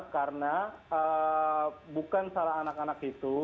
karena bukan salah anak anak itu